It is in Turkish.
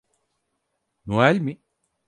Noel mi?